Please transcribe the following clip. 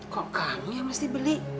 kok kami yang mesti beli